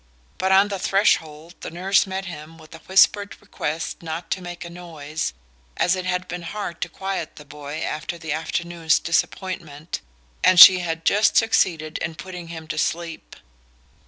But on the threshold the nurse met him with the whispered request not to make a noise, as it had been hard to quiet the boy after the afternoon's disappointment, and she had just succeeded in putting him to sleep.